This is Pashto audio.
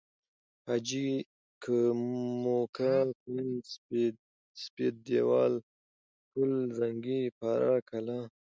حاجي که، موکه، کونج، سپید دیوال، قل زنگي، پاره قلعه